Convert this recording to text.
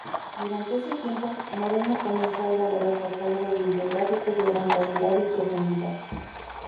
Durante ese tiempo Moreno comenzó a elaborar catálogos bibliográficos de gran calidad y profundidad.